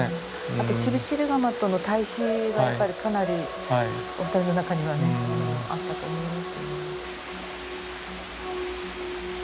あとチビチリガマとの対比がやっぱりかなりお二人の中にはねあったと思います。